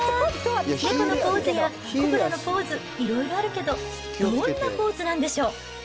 猫のポーズやコブラのポーズ、いろいろあるけど、どんなポーズなんでしょう。